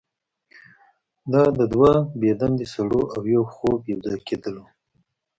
دا د دوه بې دندې سړو او یو خوب یوځای کیدل وو